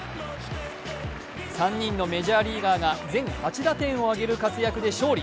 ３人のメジャーリーガーが全８打点を上げる活躍で勝利。